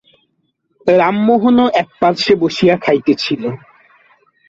রামমোহনও একপার্শ্বে বসিয়া খাইতেছিল।